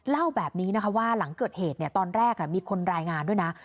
เล่าแบบนี้นะคะว่าหลังเกิดเหตุตอนแรกมีคนรายงานด้วยนะ